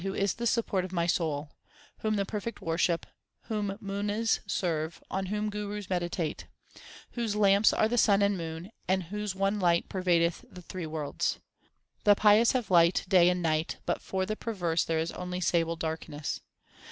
Y 2 324 THE SIKH RELIGION Whom the perfect worship, whom munis serve, on whom gurus meditate, Whose lamps are the sun and moon, and whose one light pervadeth the three worlds ? The pious have light day and night, but for the perverse there is only sable darkness.